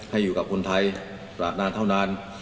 ให้อยู่กับคนไทยตลาดนานเท่านาน